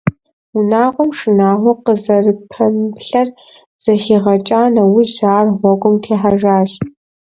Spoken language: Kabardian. Унагъуэм шынагъуэ къызэрыпэмыплъэр зэхигъэкӀа нэужь ар и гъуэгум техьэжащ.